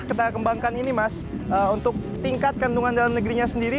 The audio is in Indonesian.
mobil yang kita mengembangkan ini mas untuk tingkat kandungan dalam negerinya sendiri